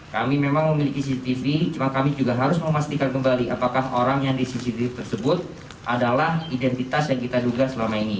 kami memang memiliki cctv cuma kami juga harus memastikan kembali apakah orang yang di cctv tersebut adalah identitas yang kita duga selama ini